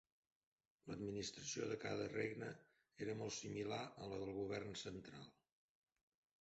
L'administració de cada regne era molt similar a la del govern central.